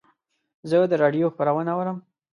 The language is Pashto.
زه د رادیو خپرونه اورم.